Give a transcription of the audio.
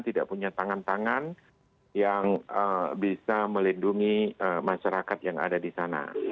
tidak punya tangan tangan yang bisa melindungi masyarakat yang ada di sana